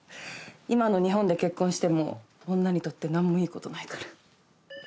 今の日本で結婚しても女にとってなんもいい事ないから。